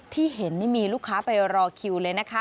ที่เห็นนี่มีลูกค้าไปรอคิวเลยนะคะ